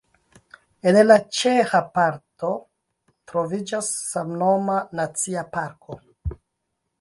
En la ĉeĥa parto troviĝas samnoma nacia parko.